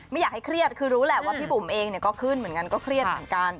ไม่อยากให้เครียดคือรู้แหละว่าพี่บุ๋มเองก็เครียดเหมือนกัน